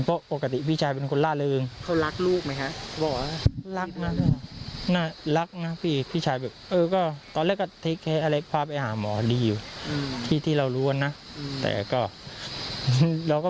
เพราะปกติพี่ชายเป็นคนร่าเริง